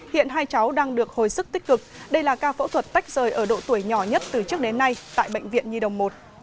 hiện hai cháu đang được hồi sức tích cực đây là ca phẫu thuật tách rời ở độ tuổi nhỏ nhất từ trước đến nay tại bệnh viện nhi đồng một